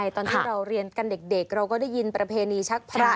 ตอนที่เราเรียนกันเด็กเราก็ได้ยินประเพณีชักพระ